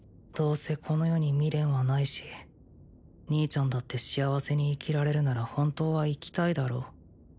どうせこの世に未練はないし兄ちゃんだって幸せに生きられるなら本当は生きたいだろ？